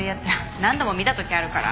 何度も見た時あるから。